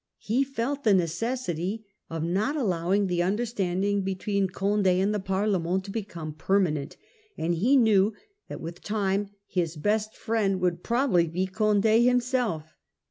He ment. felt the necessity of not allowing the under standing between Cond£ and the Parlement to become permanent, and he knew that with time his best friend would probably be Condd himself.